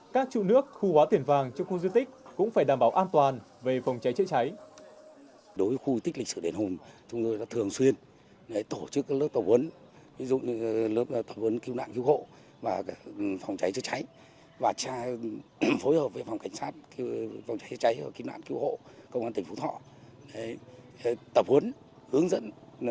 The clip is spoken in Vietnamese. các chủ nước khu hóa tiền vàng trong khu diện tích cũng phải đảm bảo an toàn về phòng cháy chữa cháy